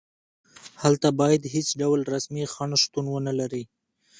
هلته باید هېڅ ډول رسمي خنډ شتون ونلري.